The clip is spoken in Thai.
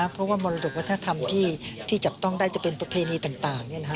เพราะว่ามรดกวัฒนธรรมที่จับต้องได้จะเป็นประเพณีต่าง